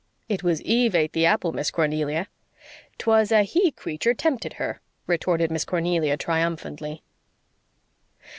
"It was Eve ate the apple, Miss Cornelia." "'Twas a he creature tempted her," retorted Miss Cornelia triumphantly.